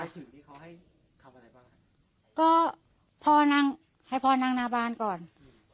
ถึงนี่เขาให้ทำอะไรบ้างครับก็พ่อนั่งให้พ่อนั่งหน้าบ้านก่อนอืม